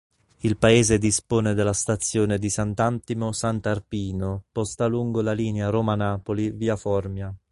Il paese dispone della stazione di Sant'Antimo-Sant'Arpino posta lungo la linea Roma-Napoli via Formia.